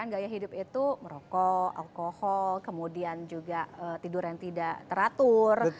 gaya hidup itu merokok alkohol kemudian juga tidur yang tidak teratur